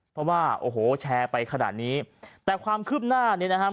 เพราะว่าโอ้โหแชร์ไปขนาดนี้แต่ความคืบหน้าเนี่ยนะครับ